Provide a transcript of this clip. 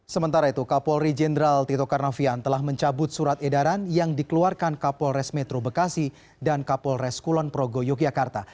sementara itu kapolri jenderal tito karnavian telah mencabut surat edaran yang dikeluarkan kapolres metro bekasi dan kapolres kulon progo yogyakarta